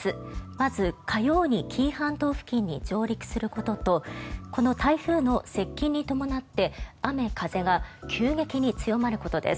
まず、火曜に紀伊半島付近に上陸することとこの台風の接近に伴って雨風が急激に強まることです。